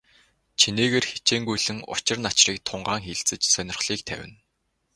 Чинээгээр хичээнгүйлэн учир начрыг тунгаан хэлэлцэж, сонирхлыг тавина.